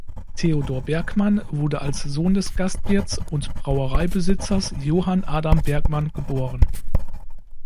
Theodor Bergmann wurde als Sohn des Gastwirts und Brauereibesitzers Johann Adam Bergmann geboren.